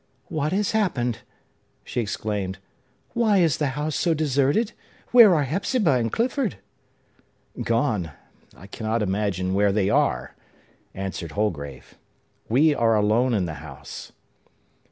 "What has happened!" she exclaimed. "Why is the house so deserted? Where are Hepzibah and Clifford?" "Gone! I cannot imagine where they are!" answered Holgrave. "We are alone in the house!"